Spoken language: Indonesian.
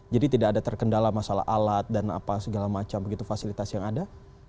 jadi tidak ada terkendala masalah alat dan apa segala macam begitu fasilitas yang ada